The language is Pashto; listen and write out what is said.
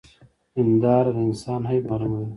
هنداره د انسان عيب معلوموي.